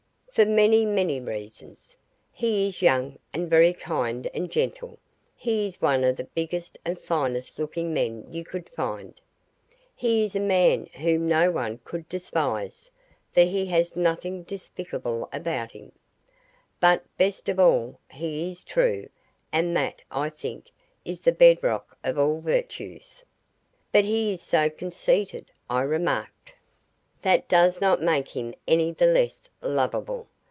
"For many, many reasons. He is young, and very kind and gentle. He is one of the biggest and finest looking men you could find. He is a man whom no one could despise, for he has nothing despicable about him. But, best of all, he is true, and that, I think, is the bedrock of all virtues." "But he is so conceited," I remarked. "That does not make him any the less lovable.